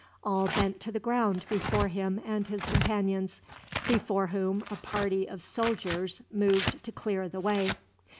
All bent to the ground before him and his companions, before whom a party of soldiers moved to clear the way.